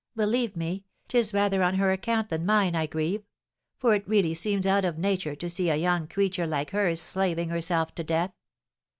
"Believe me, 'tis rather on her account than mine I grieve; for it really seems out of nature to see a young creature like her slaving herself to death.